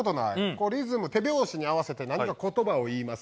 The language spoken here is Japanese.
こうリズム手拍子に合わせて何か言葉を言います。